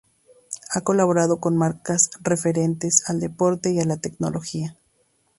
Ha colaborado con marcas referentes al deporte y a la tecnología.